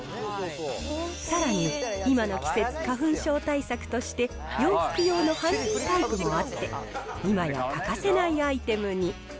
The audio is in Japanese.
さらに、今の季節、花粉症対策として、洋服用のハンディタイプもあって、今や欠かせないアイテムに。